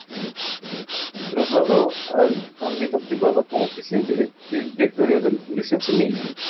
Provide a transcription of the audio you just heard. Se trasladó al ámbito privado como presidente del directorio de la Fundación Semilla.